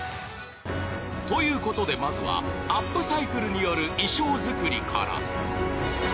ということで、まずはアップサイクルによる衣装作りから。